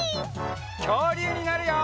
きょうりゅうになるよ！